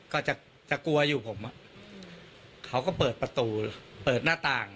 ก็จะจะกลัวอยู่ผมเขาก็เปิดประตูเปิดหน้าต่าง